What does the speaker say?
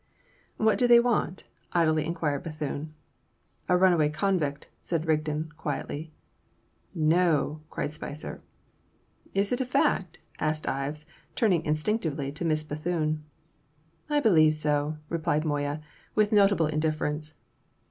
"What do they want?" idly inquired Bethune. "A runaway convict," said Rigden, quietly. "No!" cried Spicer. "Is it a fact?" asked Ives, turning instinctively to Miss Bethune. "I believe so," replied Moya, with notable indifference.